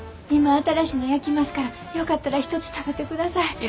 今新しいの焼きますからよかったら一つ食べてください。